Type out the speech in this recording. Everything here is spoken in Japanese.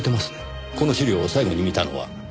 この資料を最後に見たのは？